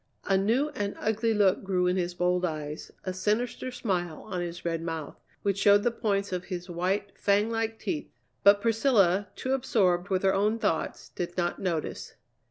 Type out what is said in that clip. A new and ugly look grew in his bold eyes, a sinister smile on his red mouth, which showed the points of his white, fang like teeth. But Priscilla, too absorbed with her own thoughts, did not notice.